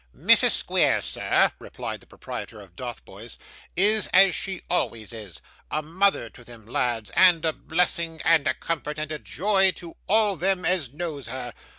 'Mrs. Squeers, sir,' replied the proprietor of Dotheboys, 'is as she always is a mother to them lads, and a blessing, and a comfort, and a joy to all them as knows her.